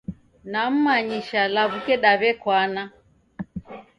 Nammanyisha law'uke daw'ekwana.